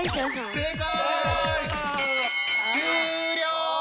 正解！